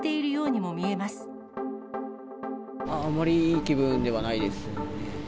あまりいい気分ではないですよね。